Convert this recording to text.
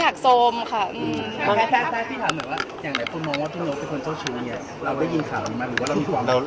แท้พี่ถามหนูว่าอย่างไรคนมองว่าพี่โน๊ตคือคนโชคชีวิต